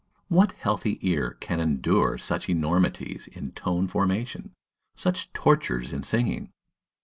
What healthy ear can endure such enormities in tone formation, such tortures in singing?